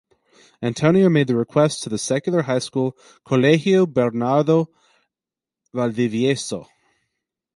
Antonio made the request to the secular high school Colegio Bernardo Valdivieso.